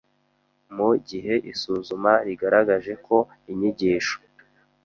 Mu gihe isuzuma rigaragaje ko inyigisho